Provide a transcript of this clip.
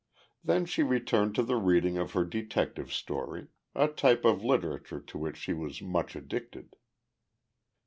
Then she returned to the reading of her detective story, a type of literature to which she was much addicted.